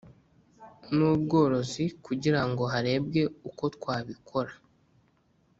n ubworozi kugira ngo harebwe uko twabikora